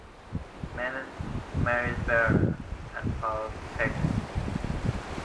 Manon marries Bernard and falls pregnant.